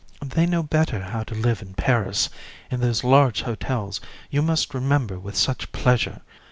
JU. They know better how to live in Paris, in those large hotels you must remember with such pleasure!